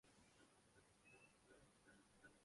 فقط وقت کی بات ہے۔